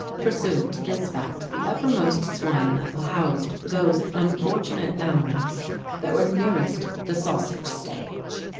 Pursuant to this fact the uppermost swine level housed those unfortunate animals that were nearest the sausage stage.